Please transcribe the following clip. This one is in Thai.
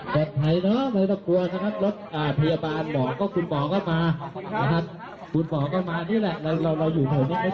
คุณหมอก็มานี่แหละเราอยู่ในนี้ไม่สักครู่